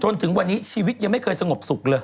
จนถึงวันนี้ชีวิตยังไม่เคยสงบสุขเลย